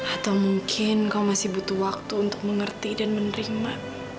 atau mungkin kau masih butuh waktu untuk mengerti dan menerima